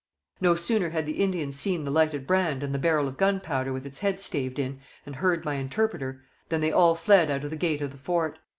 No sooner had the Indians seen the lighted brand, and the barrel of gunpowder with its head staved in, and heard my interpreter, than they all fled out of the gate of the fort.